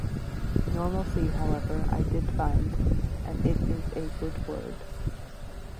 "Normalcy", however, I did find, and it is a good word.